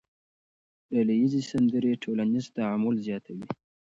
ډلهییزې سندرې ټولنیز تعامل زیاتوي.